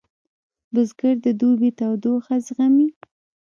بزګر د دوبي تودوخه زغمي